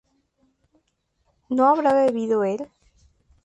¿no habrá bebido él?